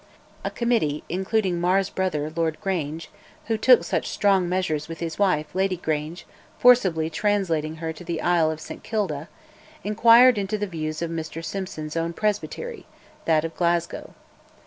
A committee, including Mar's brother, Lord Grange (who took such strong measures with his wife, Lady Grange, forcibly translating her to the isle of St Kilda), inquired into the views of Mr Simson's own Presbytery that of Glasgow.